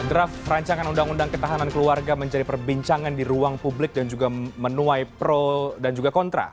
draft rancangan undang undang ketahanan keluarga menjadi perbincangan di ruang publik dan juga menuai pro dan juga kontra